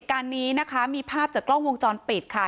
การนี้นะคะมีภาพจากกล้องวงจรปิดค่ะ